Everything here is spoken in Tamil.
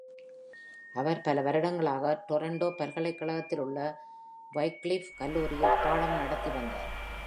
அவர் பல வருடங்களாக டொரோண்டோ பல்கலைக்கழகத்திலுள்ள Wycliff கல்லூரியில் பாடம் நடத்தி வந்தார்.